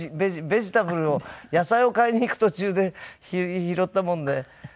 ベジタブルを野菜を買いに行く途中で拾ったもんでベジ君なんです。